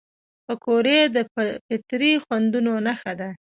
پکورې د فطري خوندونو نښه ده